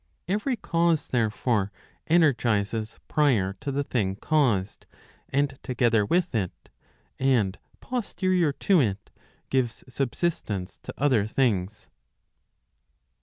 Every cause, 'therefore, energizes prior to the thing caused, and together with it, and posterior to it, gives subsistence to other things.